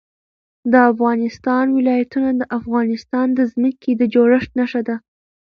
د افغانستان ولايتونه د افغانستان د ځمکې د جوړښت نښه ده.